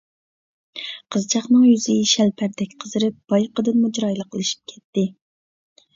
قىزچاقنىڭ يۈزى شەلپەردەك قىزىرىپ بايىقىدىنمۇ چىرايلىقلىشىپ كەتتى.